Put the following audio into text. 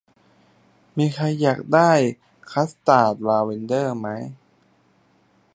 มีใครอยากได้คัสตาร์ดลาเวนเดอร์ไหม